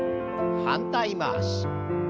反対回し。